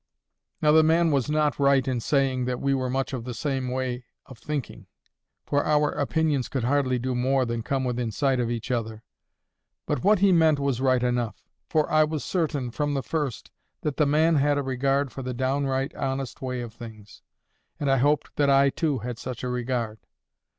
Now the man was not right in saying that we were much of the same way of THINKING; for our opinions could hardly do more than come within sight of each other; but what he meant was right enough. For I was certain, from the first, that the man had a regard for the downright, honest way of things, and I hoped that I too had such a regard.